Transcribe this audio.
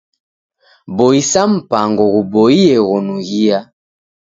Boisa mpango ghuboie ghonughia.